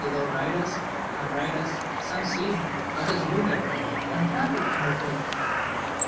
183 without riders, and the riders, some slain, others wounded, and trampled under foot.